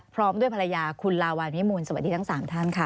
พร้อมด้วยภรรยาคุณลาวาวิมูลสวัสดีทั้ง๓ท่านค่ะ